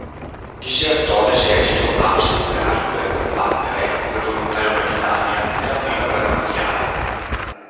Disertò l'esercito austro-ungarico per combattere, come volontario per l'Italia, nella prima guerra mondiale.